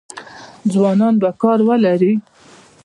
ځوانان به کار ولري؟